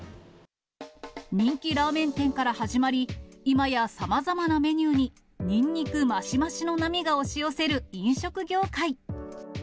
人気ラーメン店から始まり、いまやさまざまなメニューに、ニンニクマシマシの波が押し寄せる飲食業界。